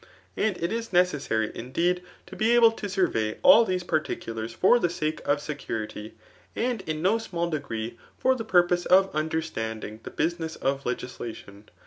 • And it is necessary, indeed, to be able to survey all these particulars for the sake of security ; and in no small d^rw for the purpose of understanding the business of legislation.